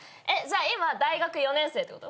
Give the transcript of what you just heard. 今大学４年生ってこと？